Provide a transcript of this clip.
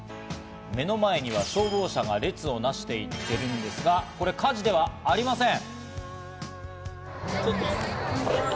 目の前には消防車が列をなしているんですが、これは火事ではありません。